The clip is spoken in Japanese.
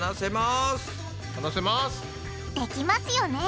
できますよね！